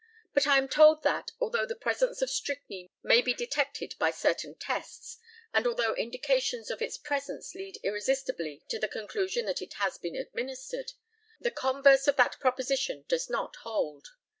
But I am told that, although the presence of strychnine may be detected by certain tests, and although indications of its presence lead irresistibly to the conclusion that it has been administered, the converse of that proposition does not hold.